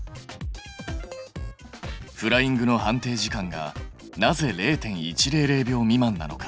フライングの判定時間がなぜ０．１００秒未満なのか。